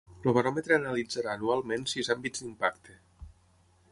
El Baròmetre analitzarà anualment sis àmbits d'impacte.